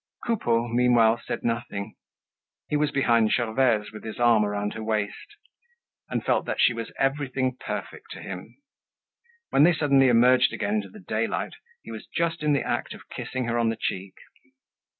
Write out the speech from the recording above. Coupeau, meanwhile, said nothing. He was behind Gervaise, with his arm around her waist, and felt that she was everything perfect to him. When they suddenly emerged again into the daylight, he was just in the act of kissing her on the cheek.